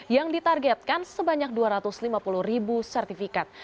yang ditargetkan sebanyak dua ratus lima puluh ribu sertifikat